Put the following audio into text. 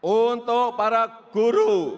untuk para guru